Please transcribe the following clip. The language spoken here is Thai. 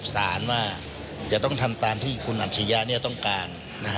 สารว่าจะต้องทำตามที่คุณอัจฉริยะต้องการ